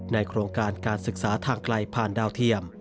โครงการการศึกษาทางไกลผ่านดาวเทียม